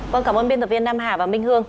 vâng cảm ơn biên tập viên nam hà và minh hương